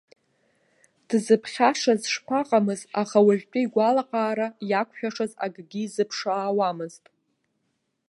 Дзыԥхьашаз шԥаҟамыз, аха уажәтәи игәалаҟаара иақәшәашаз акгьы изыԥшаауамызт.